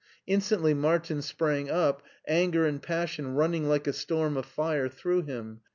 Instantly Martin sprang up, anger and passion running like a storm of fire through him.